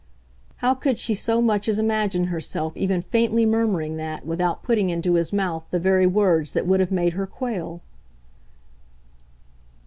How could she so much as imagine herself even faintly murmuring that without putting into his mouth the very words that would have made her quail?